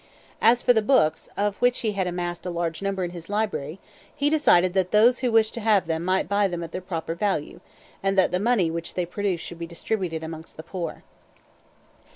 ... As for the books, of which he had amassed a large number in his library, he decided that those who wished to have them might buy them at their proper value, and that the money which they produced should be distributed amongst the poor."